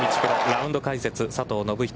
ラウンド解説、佐藤信人